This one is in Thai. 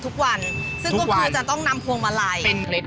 ทุกวันซึ่งก็คือจะต้องนำพวงมาลัย